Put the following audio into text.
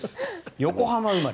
横浜生まれ